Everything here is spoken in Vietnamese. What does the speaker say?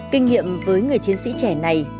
kinh nghiệm với người chiến sĩ trẻ này